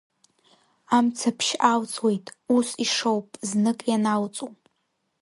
Амцаԥшь алҵуеит, ус ишоуп, знык ианалҵу!